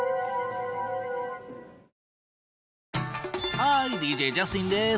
ハーイＤＪジャスティンです！